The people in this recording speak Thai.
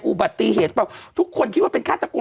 อุบัติเหตุเปล่าทุกคนคิดว่าเป็นฆาตกร